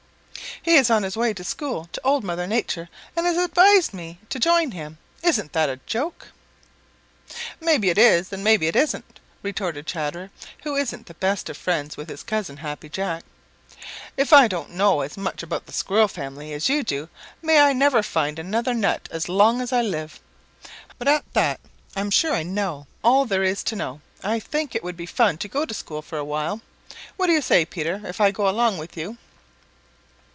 "He is on his way to school to Old Mother Nature and has advised me to join him. Isn't that a joke?" "Maybe it is, and maybe it isn't," retorted Chatterer, who isn't the best of friends with his cousin, Happy Jack. "If I don't know as much about the Squirrel family as you do, may I never find another nut as long as I live. But at that, I'm not sure I know all there is to know. I think it would be fun to go to school for a while. What do you say, Peter, if I go along with you?"